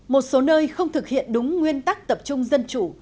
một số nơi không thực hiện đúng nguyên tắc tập trung dân chủ